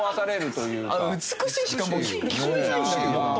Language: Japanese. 「美しい」しかもう聞こえないんだけど。